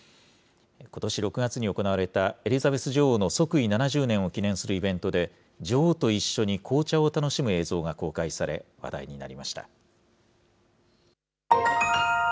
ことし６月に行われたエリザベス女王の即位７０年を記念するイベントで、女王と一緒に紅茶を楽しむ映像が公開され話題になりました。